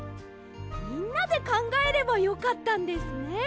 みんなでかんがえればよかったんですね！